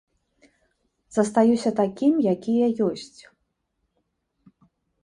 Застаюся такім, які я ёсць.